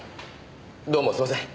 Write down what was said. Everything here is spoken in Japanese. どうもすいません。